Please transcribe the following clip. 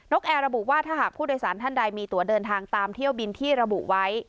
กแอร์ระบุว่าถ้าหากผู้โดยสารท่านใดมีตัวเดินทางตามเที่ยวบินที่ระบุไว้